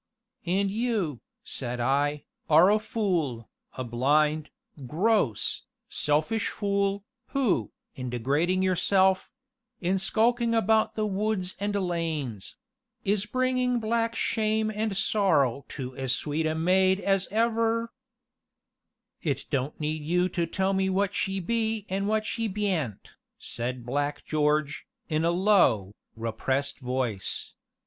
"And you," said I, "you are a fool, a blind, gross, selfish fool, who, in degrading yourself in skulking about the woods and lanes is bringing black shame and sorrow to as sweet a maid as ever " "It don't need you to tell me what she be an' what she bean't," said Black George, in a low, repressed voice.